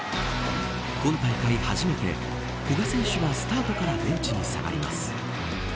今大会、初めて古賀選手がスタートからベンチに下がります。